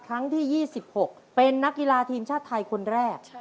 ครั้งที่๒๖เป็นนักกีฬาทีมชาติไทยคนแรก